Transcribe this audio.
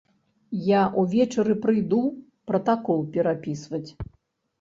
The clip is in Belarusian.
Я ўвечары прыйду пратакол перапісваць.